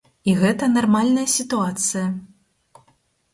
І гэта нармальная сітуацыя.